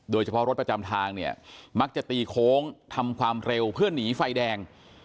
โดยเฉพาะรถประจำทางเนี่ยมักจะตีโค้งทำความเร็วเพื่อหนีไฟแดง